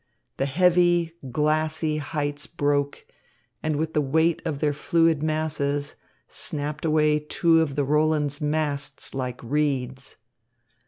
The heavy, glassy heights broke, and with the weight of their fluid masses, snapped away two of the Roland's masts like reeds.